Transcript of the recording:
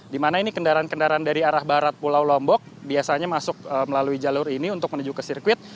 di mana ini kendaraan kendaraan dari arah barat pulau lombok biasanya masuk melalui jalur ini untuk menuju ke sirkuit